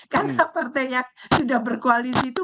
karena partai yang sudah berkoalisi itu